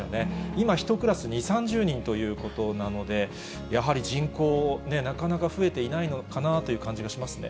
今、１クラス２、３０人ということなので、やはり人口、なかなか増えていないのかなという感じがしますね。